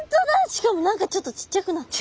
しかも何かちょっとちっちゃくなった。